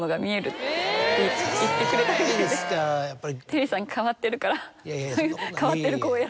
テリーさん変わってるから変わってる子を選んで。